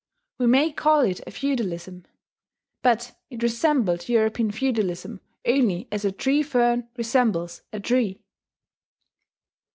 We may call it a feudalism; but it resembled European feudalism only as a tree fern resembles a tree.